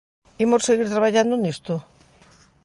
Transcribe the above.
¿Imos seguir traballando nisto?